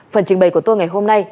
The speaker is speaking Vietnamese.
phần trình bày của tôi ngày hôm nay